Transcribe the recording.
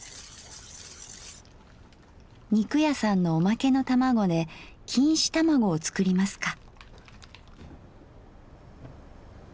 肉屋さんのおまけの卵で錦糸卵を作りますか。